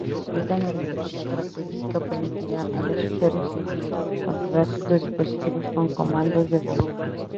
Esta nueva característica permitirá a los usuarios controlar sus dispositivos con comandos de voz.